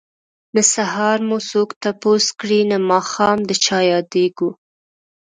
نه سهار مو څوک تپوس کړي نه ماښام د چا ياديږو